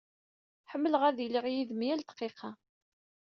Ḥemleɣ ad iliɣ yid-m yal dqiqa.